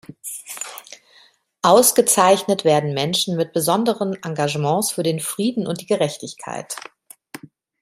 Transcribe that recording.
Ausgezeichnet werden Menschen mit besonderen Engagements für den Frieden und die Gerechtigkeit.